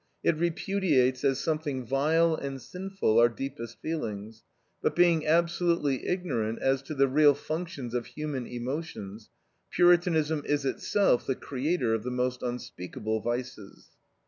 It repudiates, as something vile and sinful, our deepest feelings; but being absolutely ignorant as to the real functions of human emotions, Puritanism is itself the creator of the most unspeakable vices.